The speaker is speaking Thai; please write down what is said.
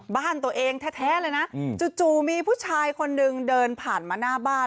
บ้านตัวเองแท้เลยนะจู่มีผู้ชายคนนึงเดินผ่านมาหน้าบ้าน